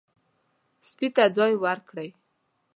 سپي ته ځای ورکړئ.